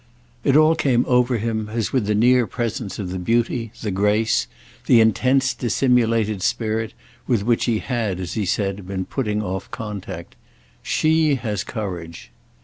_" It all came over him as with the near presence of the beauty, the grace, the intense, dissimulated spirit with which he had, as he said, been putting off contact. "She has courage."